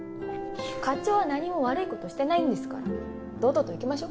課長は何も悪いことしてないんですから堂々と行きましょ。